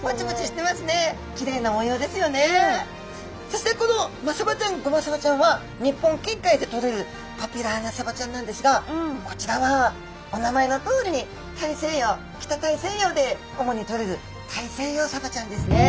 そしてこのマサバちゃんゴマサバちゃんは日本近海でとれるポピュラーなサバちゃんなんですがこちらはお名前のとおりに大西洋北大西洋で主にとれるタイセイヨウサバちゃんですね。